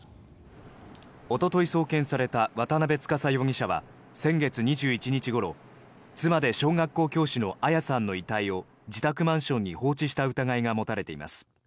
おととい送検された渡邉司容疑者は先月２１日ごろ妻で小学校教師の彩さんの遺体を自宅マンションに放置した疑いが持たれています。